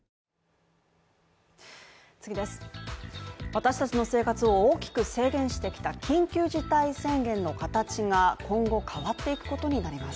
私達の生活を大きく制限してきた緊急事態宣言の形が今後変わっていくことになります